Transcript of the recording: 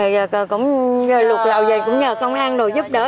giờ cũng lục lạo dày cũng nhờ công an đồ giúp đỡ